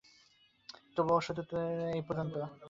তাদের সাধুত্বের আদর্শ ঐ পর্যন্ত।